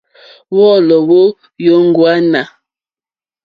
Wɔ́ɔ̌lɔ̀ wó jóŋɡwânà.